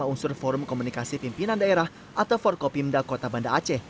lima unsur forum komunikasi pimpinan daerah atau forkopimda kota banda aceh